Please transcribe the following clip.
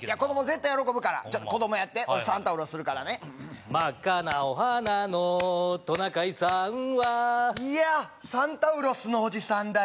絶対喜ぶから子供やって俺サンタウロスするからね真っ赤なお鼻のトナカイさんはやあサンタウロスのおじさんだ